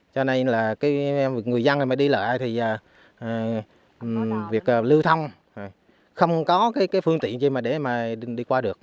cho nên là người dân đi lại thì việc lưu thông không có phương tiện gì để đi qua được